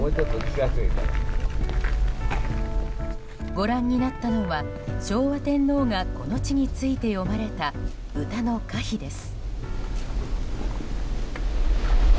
ご覧になったのは、昭和天皇がこの地について詠まれた歌の歌碑です。